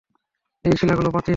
এই শিলাগুলো প্রাচীন।